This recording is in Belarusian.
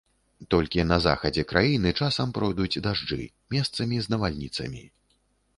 Толькі на захадзе краіны часам пройдуць дажджы, месцамі з навальніцамі.